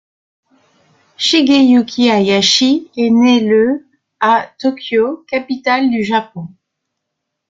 Shigeyuki Hayashi est né le à Tōkyō, capitale du Japon.